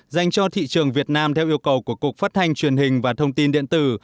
dành cho thị trường việt nam theo yêu cầu của cục phát thanh truyền hình và thông tin điện tử